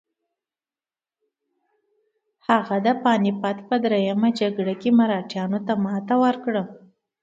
هغه د پاني پت په دریمه جګړه کې مراتیانو ته ماتې ورکړه.